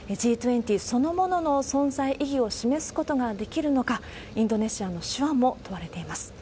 Ｇ２０そのものの存在意義を示すことができるのか、インドネシアの手腕も問われています。